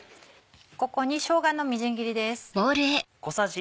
ここにしょうがのみじん切りです。